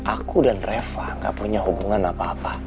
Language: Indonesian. aku dan reva gak punya hubungan apa apa